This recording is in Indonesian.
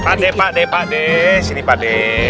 pak d pak d pak d sini pak d